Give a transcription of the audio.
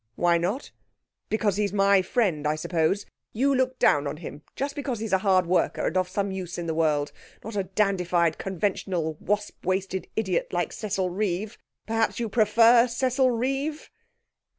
'Why not? Because he's my friend, I suppose? You look down on him just because he's a hard worker, and of some use in the world not a dandified, conventional, wasp waisted idiot like Cecil Reeve! Perhaps you prefer Cecil Reeve?'